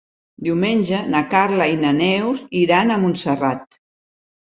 Diumenge na Carla i na Neus iran a Montserrat.